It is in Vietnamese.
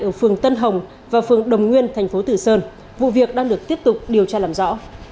ở phường tân hồng và phường đồng nguyên thành phố tử sơn vụ việc đang được tiếp tục điều tra làm rõ